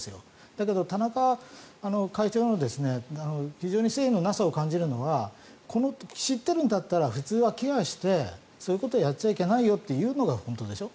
だけど田中会長の非常に誠意のなさを感じるのは知ってるんだったらケアしてそんなことやっちゃいけないよと言うのが本当でしょ。